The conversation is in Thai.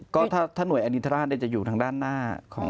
ก็ถ้าหน่วยอนินทราชจะอยู่ทางด้านหน้าของ